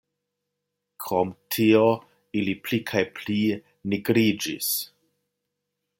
Krom tio, ili pli kaj pli nigriĝis.